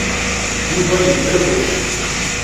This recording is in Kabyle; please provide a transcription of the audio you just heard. Yuba yedderwec.